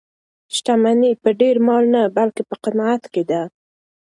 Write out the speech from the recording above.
شتمني په ډېر مال نه بلکې په قناعت کې ده.